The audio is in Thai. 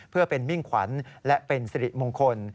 เพื่อเป็นมิ่งขวัญและเป็นสิริมงคล